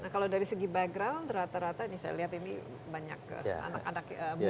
kalau dari segi background rata rata ini saya lihat ini banyak anak anak muda